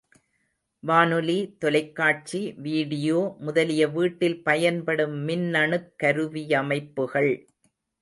வானொலி, தொலைக் காட்சி, வீடியோ முதலிய வீட்டில் பயன்படும் மின்னணுக் கருவியமைப்புகள்.